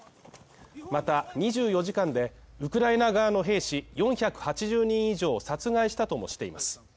また、２４時間で、ウクライナ側の兵士４８０人以上を殺害したとしています。